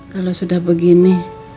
kalau sudah begini